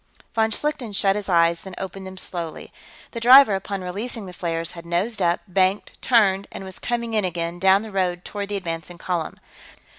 Von Schlichten shut his eyes, then opened them slowly. The driver, upon releasing the flares, had nosed up, banked, turned, and was coming in again, down the road toward the advancing column.